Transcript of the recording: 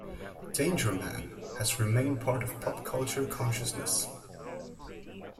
"Danger Man" has remained part of pop culture consciousness.